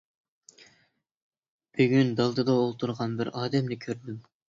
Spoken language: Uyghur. بۈگۈن دالدىدا ئولتۇرغان بىر ئادەمنى كۆردۈم.